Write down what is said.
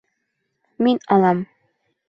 Мин алам.